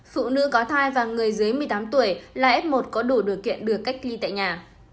phụ nữ có thai và người dưới một mươi tám tuổi là f một có đủ điều kiện được cách ly tại nhà